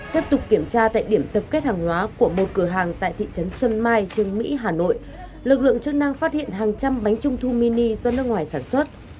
tiếp tục kiểm tra tại điểm tập kết hàng hóa của một cửa hàng tại thị trấn xuân mai trương mỹ hà nội lực lượng chức năng phát hiện hàng trăm bánh trung thu mini do nước ngoài sản xuất